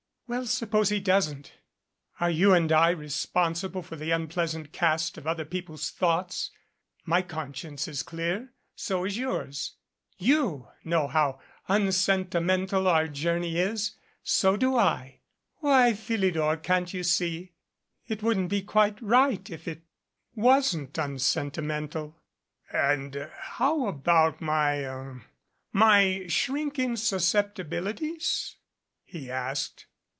"Well suppose he doesn't. Are you and I responsi ble for the unpleasant cast of other people's thoughts? My conscience is clear. So is yours. You know how un sentimental our journey is. So do I. Why, Philidor, can't you see ? It wouldn't be quite right if it wasn't un sentimental." "And how about my er my shrinking susceptibili ties?" he asked.